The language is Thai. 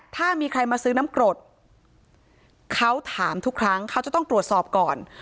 ถ้ามีใครมาซื้อน้ำกรดเขาถามทุกครั้งเขาจะต้องตรวจสอบก่อน